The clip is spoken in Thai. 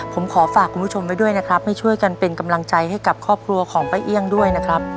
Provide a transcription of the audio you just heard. ผมขอฝากคุณผู้ชมไว้ด้วยนะครับให้ช่วยกันเป็นกำลังใจให้กับครอบครัวของป้าเอี่ยงด้วยนะครับ